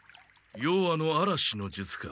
夜半の嵐の術か。